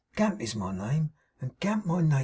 Gamp is my name, and Gamp my nater.